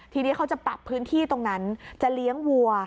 ทีนี้เขาจะปรับพื้นที่ตรงนั้นจะเลี้ยงวัว